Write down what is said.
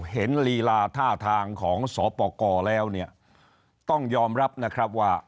เห็นลีลาท่าทางของสอปกรแล้วต้องยอมรับว่า